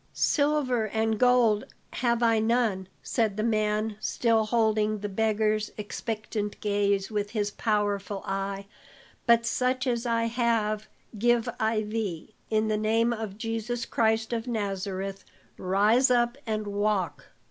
"Silver and gold have I none," said the man, still holding the beggar's expectant gaze with his powerful eye, "but such as I have, give I thee. In the name of Jesus Christ of Nazareth, rise up and walk."